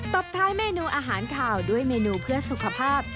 ตบท้ายเมนูอาหารขาวด้วยเมนูเพื่อสุขภาพ